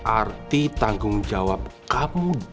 arti tanggung jawab kamu